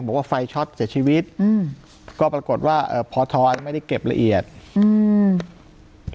บอกว่าไฟช็อตเสียชีวิตอืมก็ปรากฏว่าเอ่อพอทอยไม่ได้เก็บละเอียดอืม